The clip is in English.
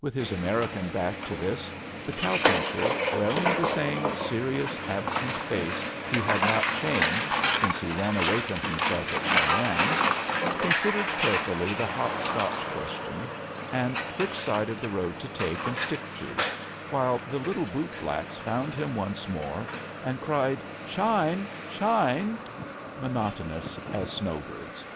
With his American back to this, the cow puncher, wearing the same serious, absent face he had not changed since he ran away from himself at Cheyenne, considered carefuUy the Hot Scotch question and which side of the road to take and stick to, while the little /| bootblacks found him once more, A JOURNFV IN SEARCH OF CHRISTMAS cried. "Shine? Sbioe?" moootonoos as Buowbirds.